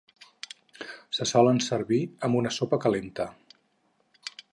Se solen servir amb una sopa calenta.